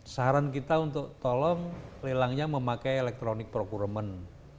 saran kita untuk tolong lelangnya memakai electronic procurement